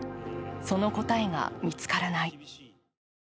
その答えが見つからない。